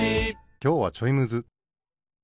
きょうはちょいむず。